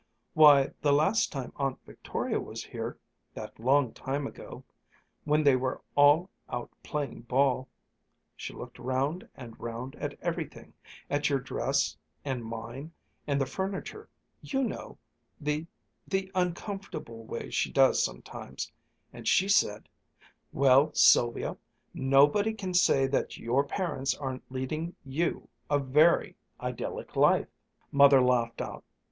"Why, the last time Aunt Victoria was here that long time ago when they were all out playing ball she looked round and round at everything at your dress and mine and the furniture you know the the uncomfortable way she does sometimes and she said, 'Well, Sylvia nobody can say that your parents aren't leading you a very idyllic life.'" Mother laughed out.